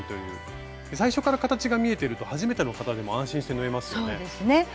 最初から形が見えていると初めての方でも安心して縫えますよね。